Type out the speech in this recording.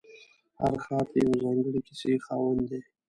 هر ښار د یوې ځانګړې کیسې خاوند دی.